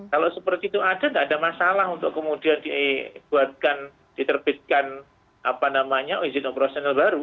kalau seperti itu ada tidak ada masalah untuk kemudian dibuatkan diterbitkan izin operasional baru